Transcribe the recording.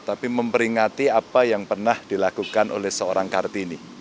tapi memperingati apa yang pernah dilakukan oleh seorang kartini